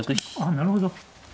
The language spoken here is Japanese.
なるほど。